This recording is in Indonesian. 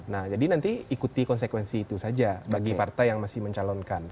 nah jadi nanti ikuti konsekuensi itu saja bagi partai yang masih mencalonkan